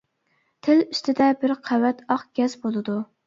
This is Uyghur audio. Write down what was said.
تىل ئۈستىدە بىر قەۋەت ئاق گەز بولىدۇ.